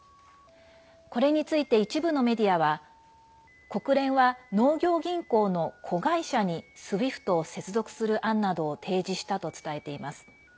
これについて、一部のメディアは国連は、農業銀行の子会社にＳＷＩＦＴを継続する案などを提示したと伝えています。